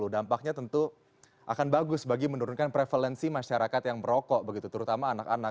dampaknya tentu akan bagus bagi menurunkan prevalensi masyarakat yang merokok begitu terutama anak anak